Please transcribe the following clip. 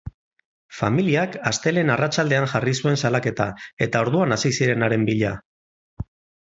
Familiak astelehen arratsaldean jarri zuen salaketa, eta orduan hasi ziren haren bila.